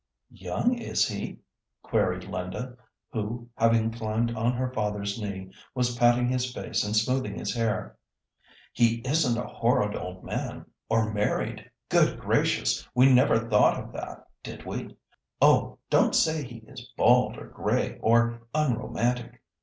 "Young, is he?" queried Linda, who, having climbed on her father's knee, was patting his face and smoothing his hair. "He isn't a horrid old man, or married? Good gracious! we never thought of that, did we? Oh! don't say he is bald or grey, or unromantic.